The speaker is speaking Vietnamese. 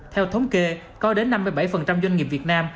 theo thống kê có đến năm mươi bảy doanh nghiệp việt nam